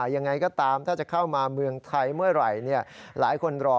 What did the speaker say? ยังไงก็ตามถ้าจะเข้ามาเมืองไทยเมื่อไหร่หลายคนรอ